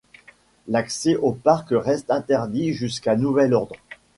L'accès au parc reste interdit jusqu'à nouvel ordre.